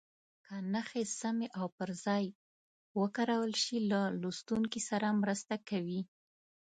که نښې سمې او پر ځای وکارول شي له لوستونکي سره مرسته کوي.